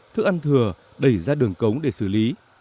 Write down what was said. thức ăn thừa đẩy ra đường cống để xử lý